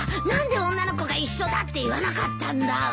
何で女の子が一緒だって言わなかったんだ？